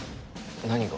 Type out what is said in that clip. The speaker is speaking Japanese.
何が？